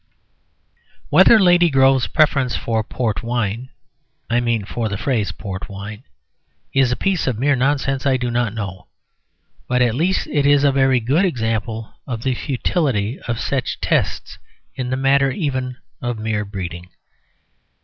Whether Lady Grove's preference for port wine (I mean for the phrase port wine) is a piece of mere nonsense I do not know; but at least it is a very good example of the futility of such tests in the matter even of mere breeding.